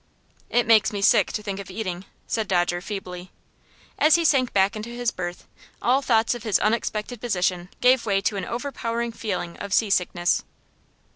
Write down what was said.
"It makes me sick to think of eating," said Dodger, feebly. As he sank back into his berth, all thoughts of his unexpected position gave way to an overpowering feeling of seasickness.